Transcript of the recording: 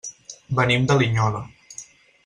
Venim de Linyola.